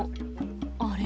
あれ？